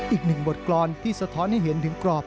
อีกหนึ่งบทกรรมที่สะท้อนให้เห็นถึงกรอบ